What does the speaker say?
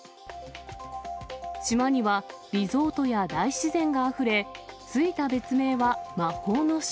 島には、リゾートや大自然があふれ、付いた別名は魔法の島。